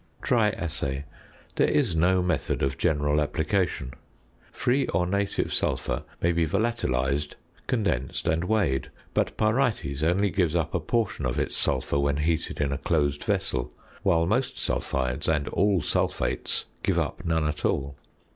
~Dry Assay.~ There is no method of general application. Free or native sulphur may be volatilised, condensed, and weighed, but pyrites only gives up a portion of its sulphur when heated in a closed vessel, while most sulphides, and all sulphates, give up none at all.